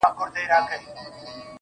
د ورورولۍ په معنا.